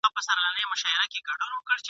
دا لاله دا سره ګلونه ..